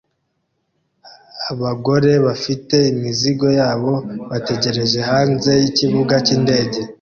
Abagore bafite imizigo yabo bategereje hanze yikibuga cyindege